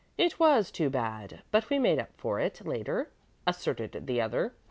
"It was too bad; but we made up for it later," asserted the other.